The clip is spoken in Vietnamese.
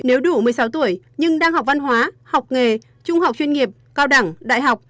nếu đủ một mươi sáu tuổi nhưng đang học văn hóa học nghề trung học chuyên nghiệp cao đẳng đại học